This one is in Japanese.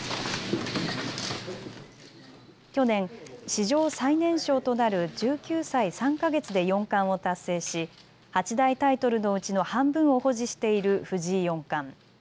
去年、史上最年少となる１９歳３か月で四冠を達成し八大タイトルのうちの半分を保持している藤井四冠。